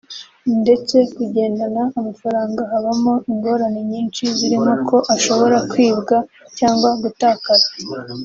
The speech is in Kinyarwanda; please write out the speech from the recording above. ndetse kugendana amafaranga habamo ingorane nyinshi zirimo ko ashobora kwibwa cyangwa gutakara